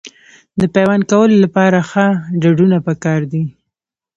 د پیوند کولو لپاره ښه ډډونه پکار دي.